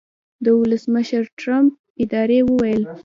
د ولسمشرټرمپ ادارې وویل